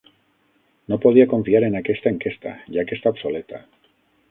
No podia confiar en aquesta enquesta, ja que està obsoleta.